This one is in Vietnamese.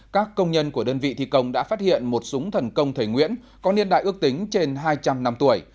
các công nhân của đơn vị thi công đã phát hiện một súng thần công thầy nguyễn có niên đại ước tính trên hai trăm linh năm tuổi